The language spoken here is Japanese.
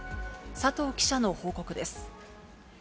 佐藤記者の報告です。